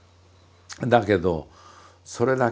だけどそれだけではね